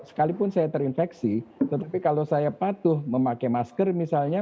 sekalipun saya terinfeksi tetapi kalau saya patuh memakai masker misalnya